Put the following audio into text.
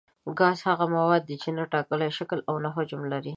ګاز هغه مواد دي چې نه ټاکلی شکل او نه حجم لري.